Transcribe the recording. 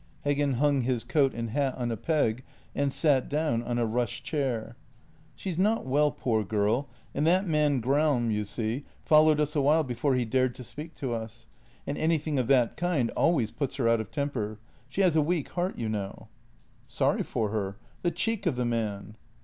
Heggen hung his coat and hat on a peg and sat down on a rush chair. " She is not well, poor girl, and that man Gram, you see, followed us a while before he dared to speak to us; and any thing of that kind always puts her out of temper; she has a weak heart, you know." " Sorry for her. The cheek of the man."